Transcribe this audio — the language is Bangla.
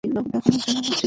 লোক দেখানোর জন্য, বুঝেছিস?